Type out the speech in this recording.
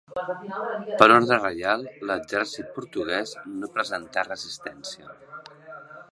Per ordre reial, l'exèrcit portuguès no presentà resistència.